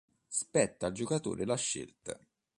Spetta al giocatore la scelta.